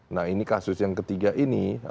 nah ini kasus yang ketiga ini